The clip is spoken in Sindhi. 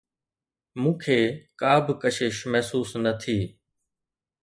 مون کي ڪا به ڪشش محسوس نه ٿي.